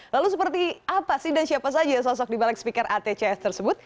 lalu seperti apa sih dan siapa saja sosok dibalik speaker atcs tersebut